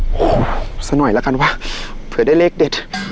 โอ้โหสักหน่อยละกันว่าเผื่อได้เลขเด็ด